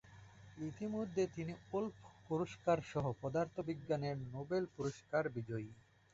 ইতোমধ্যেই তিনি ওল্ফ পুরস্কারসহ পদার্থবিজ্ঞানে নোবেল পুরস্কার বিজয়ী।